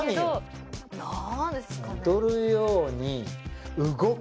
「踊るように動く」